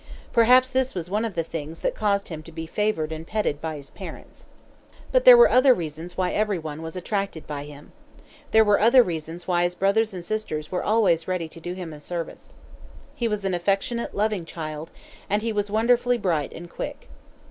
Perhaps this was one of the things that caused him to be favored and petted by his parents. But there were other reasons why every one was attracted by him. There were other reasons why his brothers and sisters were always ready to do him a service. He was an affectionate, loving child; and he was wonderfully bright and quick.